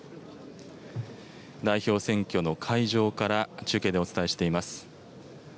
代表選挙の会場から、中継でお伝えしています。